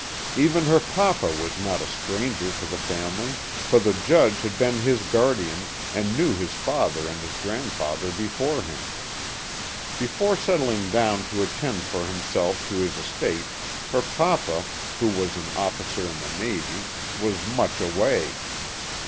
Even her papa was not " a stranger " to the family, for the Judge had been his guardian and knew his father and his grandfather before him. Before settling down to attend for him self to his estate her papa, who was an officer in the navy, was much away.